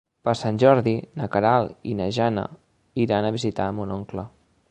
Per Sant Jordi na Queralt i na Jana iran a visitar mon oncle.